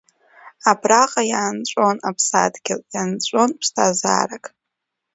Абраҟа иаанҵәон Аԥсадгьыл, иаанҵәон ԥсҭазаарак.